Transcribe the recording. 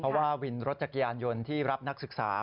เพราะว่าวินรถจักรยานยนต์ที่รับนักศึกษา